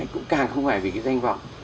cũng càng không phải vì cái danh vọng